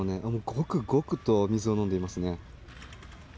ゴクゴクと水を飲んでいますね。